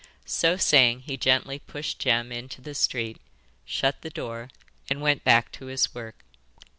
So saying, he gently pushed Jem into the street, shut the door, and went back to his work.